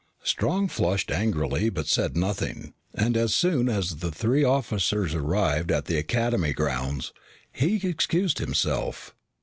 Strong flushed angrily but said nothing, and as soon as the three officers arrived at the Academy grounds, he excused himself.